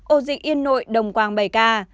ổ dịch yên nội đồng quang bảy ca